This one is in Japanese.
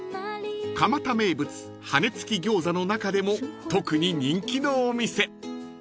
［蒲田名物羽根つき餃子の中でも特に人気のお店］